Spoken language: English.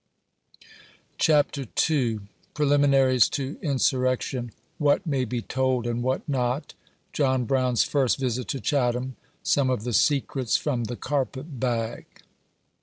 CHAPTER II. PRELIMINARIES TO INSURRECTION WHAT May' BE TOM> AND WHAT NOT — JOHN BROWN'8 FIRST VISIT TO CIIATIIAM BOMB 01? THE SKCRETS .FROM, THE "CARPET BAG."